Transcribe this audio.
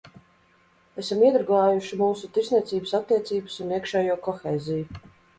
Esam iedragājuši mūsu tirdzniecības attiecības un iekšējo kohēziju.